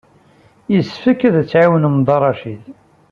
Yessefk ad tɛawnem Dda Racid.